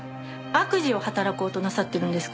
悪事を働こうとなさってるんですか？